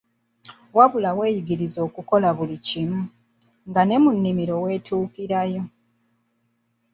Wabula weeyigirize okukola buli kimu, nga ne mu nnimiro weetuukirayo.